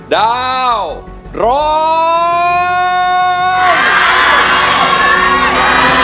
ดาวร้อง